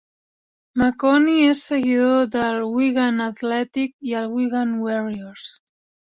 Maconie és seguidor del Wigan Athletic i el Wigan Warriors.